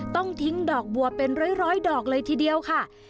ต้องทิ้งดอกบัวเป็นร้อยดอกเลยทีเดียวค่ะ